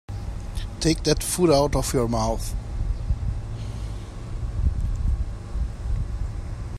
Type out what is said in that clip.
Take that food out of your mouth.